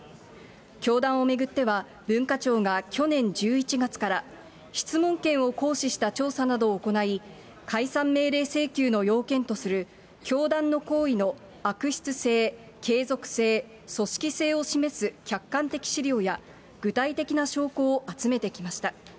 教団を巡っては、文化庁が去年１１月から、質問権を行使した調査などを行い、解散命令請求の要件とする教団の行為の悪質性、継続性、組織性を示す客観的資料や、具体的な証拠を集めてきました。